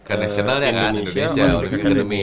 international ya kan indonesia olympic academy